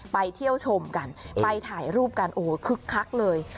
เที่ยวชมกันไปถ่ายรูปกันโอ้โหคึกคักเลย